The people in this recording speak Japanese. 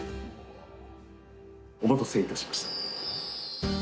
お待たせいたしました。